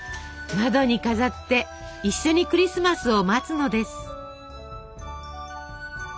窓に飾って一緒にクリスマスを待つのです。